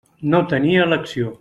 No tenia elecció.